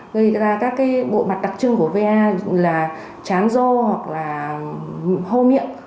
gây ra các cái bộ mặt đặc trưng của va là chán rô hoặc là hô miệng